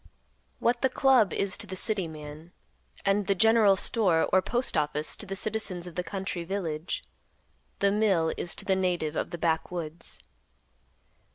What the club is to the city man, and the general store or postoffice to the citizens of the country village, the mill is to the native of the backwoods.